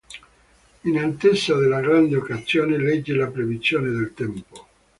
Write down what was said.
In attesa della grande occasione legge le previsioni del tempo.